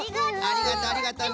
ありがとありがとね。